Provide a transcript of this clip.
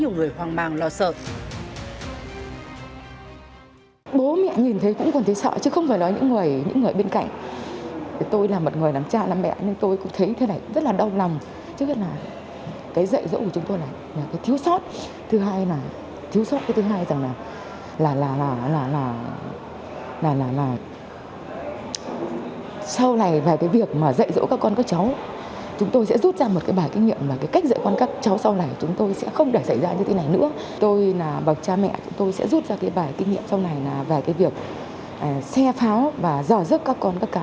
người hoang mang lo sợ